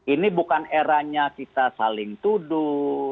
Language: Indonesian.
ini bukan eranya kita saling tuduh